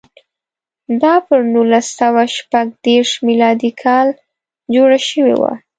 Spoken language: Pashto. دا پر نولس سوه شپږ دېرش میلادي کال جوړه شوې وه.